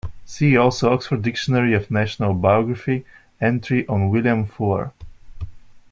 See also "Oxford Dictionary of National Biography", entry on William Fuller.